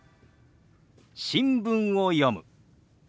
「新聞を読む」。